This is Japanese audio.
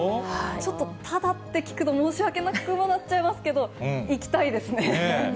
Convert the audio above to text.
ちょっと、ただって聞くと、申し訳なくなっちゃいますけれども、行きたいですね。